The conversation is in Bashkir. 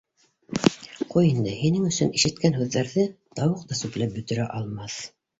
Ҡуй инде, һинең өсөн ишеткән һүҙҙәрҙе тауыҡ та сүпләп бөтөрә алмаҫ.